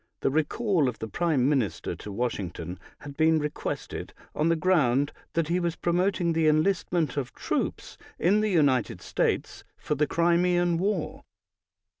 56) the recall of the British minister to Washington had been requested, on the ground that he was promoting the enlistment of troops in the United Slates for the Crimean War.